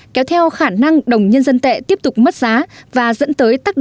kéo theo khả năng đồng nhân dân tệ tiếp tục mất giá